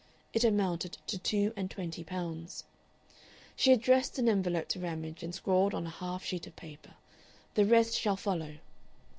It amounted to two and twenty pounds. She addressed an envelope to Ramage, and scrawled on a half sheet of paper, "The rest shall follow."